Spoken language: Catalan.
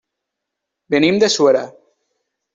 Venim de Suera.